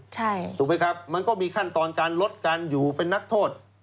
ถูกไหมครับมันก็มีขั้นตอนการลดการอยู่เป็นนักโทษ